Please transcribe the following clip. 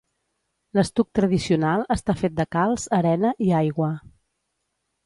L'estuc tradicional està fet de calç, arena i aigua.